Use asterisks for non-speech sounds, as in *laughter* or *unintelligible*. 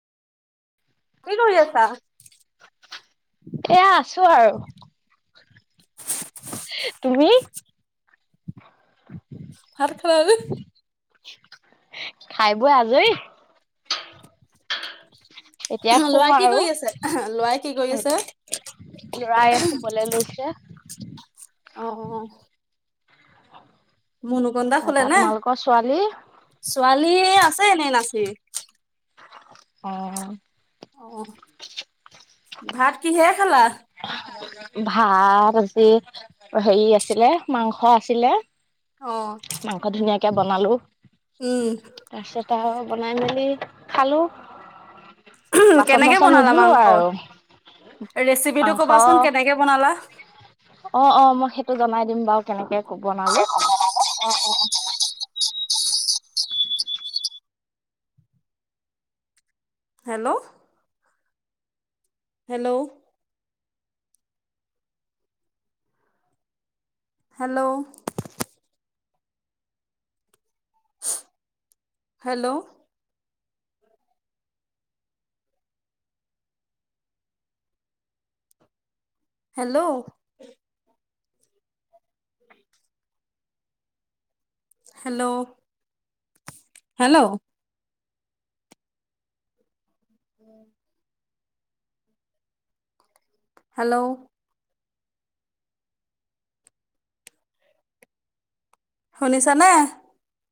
কি কৰি আছা? এয়া আছোঁ আৰু। তুমি? *unintelligible* ভাত খালা নে? *unintelligible* খায় বৈ আজৰি। এতিয়া লৰা শুম কি আৰু কৰি আছে, লৰাই কি কৰি আছে? ল'ৰাই শুবলৈ লৈছে। অ', অ'। মনকন্ন্দা হুলে তাৰপা নে? তোমালোকৰ ছোৱালী ছোৱালী আছে এনেই নাচি। অ'। অ', ভাত কিহেৰে খালা? ভাত আজি অ, হেৰি আছিলে, মাংস আছিলে। অ'। মাংস ধুনীয়াকে বনালো। উম। তাৰপিছত আও বনাই মেলি খালোঁ। কেনেকে বনালা মাংস, ৰেচিপিটো মাংস কবাচোন কেনেকে বনালা? অ', অ', মই সেইটো জনাই দিম বাৰু কেনেকে বনালো। অ', অ', অ'। Hello? Hello? Hello? Hello? Hello? উ *unintelligible* হেল্ল'। হেল্ল'। *unintelligible* হেল্ল'। শুনিছা নে?